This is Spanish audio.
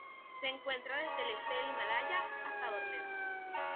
Se encuentran desde el este del Himalaya hasta Borneo.